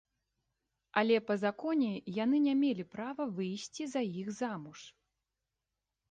Але, па законе, яны не мелі права выйсці за іх замуж.